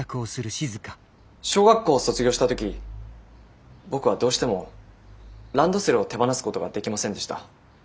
小学校を卒業した時僕はどうしてもランドセルを手放すことができませんでした。